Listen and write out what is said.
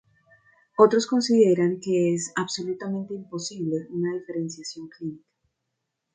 Otros consideran que es absolutamente imposible una diferenciación clínica.